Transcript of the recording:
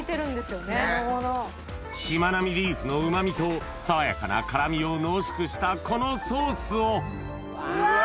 しまなみリーフのうま味と爽やかな辛みを濃縮したこのソースをうわ！